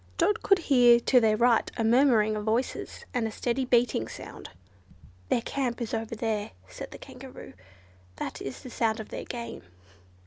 Dot could hear to their right a murmuring of voices, and a steady beating sound. "Their camp is over there," said the Kangaroo, "that is the sound of their game."